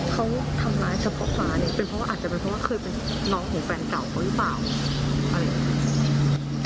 เขาทำร้ายเฉพาะฟ้าเนี่ยเป็นเพราะว่าอาจจะเป็นเพราะว่าเคยเป็นน้องของแฟนเก่าเขาหรือเปล่าอะไรอย่างนี้